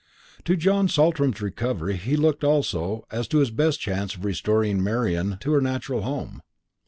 To John Saltram's recovery he looked also as to his best chance of restoring Marian to her natural home.